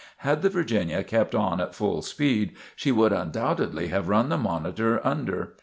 Had the "Virginia" kept on at full speed, she would undoubtedly have run the "Monitor" under.